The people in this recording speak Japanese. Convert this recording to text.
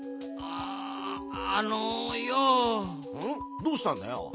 どうしたんだよ？